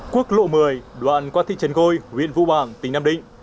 quốc lộ một mươi đoạn qua thị trấn côi huyện vũ bàng tỉnh nam định